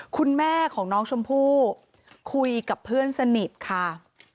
คุณแม่ของน้องชมพู่คุยกับเพื่อนสนิทค่ะ